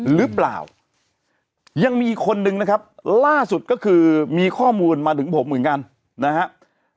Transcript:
หรือเปล่ายังมีอีกคนนึงนะครับล่าสุดก็คือมีข้อมูลมาถึงผมเหมือนกันนะครับ